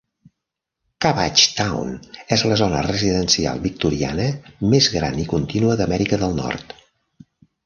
Cabbagetown és la zona residencial victoriana més gran i contínua d'Amèrica del Nord.